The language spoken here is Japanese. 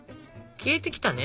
消えてきましたね。